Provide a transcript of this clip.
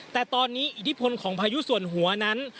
แต่ตอนนี้อิทธิพลของพายุส่วนหัวนั้น